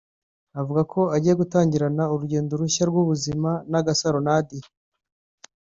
avuga ko agiye gutangirana urugendo rushya rw'ubuzima na Agasaro Nadia